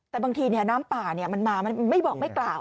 แต่บางทีน้ำป่ามันมามันไม่บอกไม่กล่าว